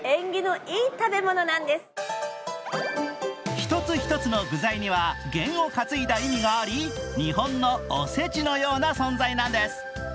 １つ１つの具材には験を担いだ意味があり日本のおせちのような存在なんです。